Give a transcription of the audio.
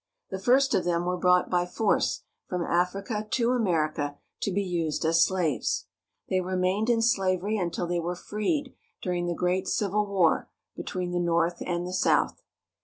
The first of them were brought by force from Africa to America to be used as slaves. They remained in slavery until they were freed during the great Civil War between the North and the South.